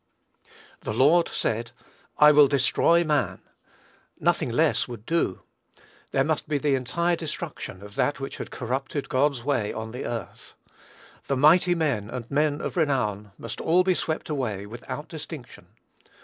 "The Lord said, I will destroy man." Nothing less would do. There must be the entire destruction of that which had corrupted God's way on the earth. "The mighty men, and men of renown," must all be swept away, without distinction.